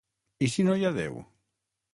I si no hi ha déu?